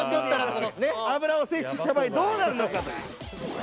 脂を摂取した場合どうなるのかという。